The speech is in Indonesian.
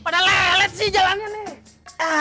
padahal lelelit sih jalannya nih